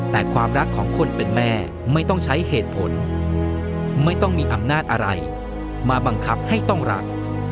แต่ความรักของคนเป็นแม่ไม่ต้องใช้เหตุผลไม่ต้องมีอำนาจอะไรมาบังคับให้ต้องรัก